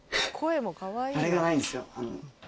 あれがないんですよ。